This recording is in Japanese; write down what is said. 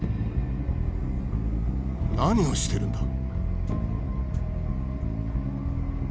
何をしてるんだ？